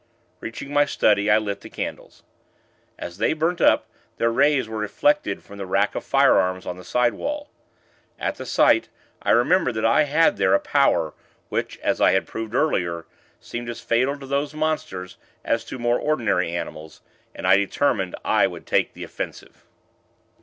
Reaching my study, I lit the candles. As they burnt up, their rays were reflected from the rack of firearms on the sidewall. At the sight, I remembered that I had there a power, which, as I had proved earlier, seemed as fatal to those monsters as to more ordinary animals; and I determined I would take the offensive.